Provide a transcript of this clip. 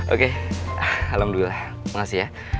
oke alhamdulillah makasih ya